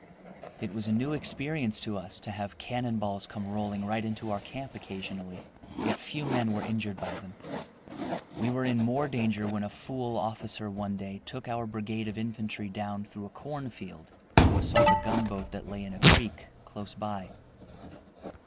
It was a new experience to us, to have cannonballs come rolling right into our camp occasionally. Yet few men were injured by them. We were in more danger when a fool officer one day took our brigade of infantry down through a cornfield to assault a gunboat that lay in a creek close by.